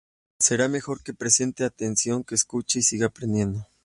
Será mejor que preste atención, que escuche y siga aprendiendo.